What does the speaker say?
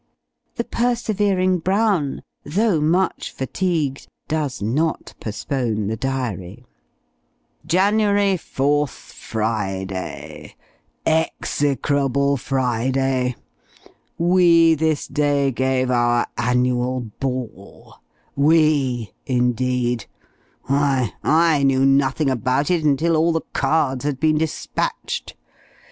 The persevering Brown, though much fatigued, does not postpone the Diary: "January 4_th_, Friday Execrable Friday! We this day gave our Annual Ball we, indeed! why I knew nothing about it until all the cards had been despatched.